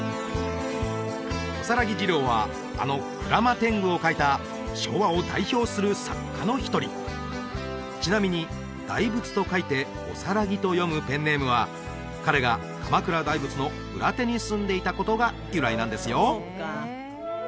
大佛次郎はあの「鞍馬天狗」を書いた昭和を代表する作家の一人ちなみに「大佛」と書いて「おさらぎ」と読むペンネームは彼が鎌倉大仏の裏手に住んでいたことが由来なんですよ